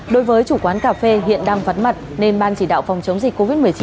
đối với chủ quán cà phê hiện đang vắn mặt nên ban chỉ đạo phòng chống dịch covid một mươi chín